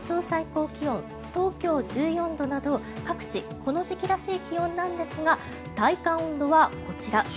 最高気温東京１４度など各地、この時期らしい気温なんですが体感温度はこちら。